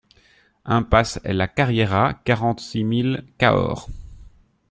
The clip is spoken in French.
Impasse la Carriera, quarante-six mille Cahors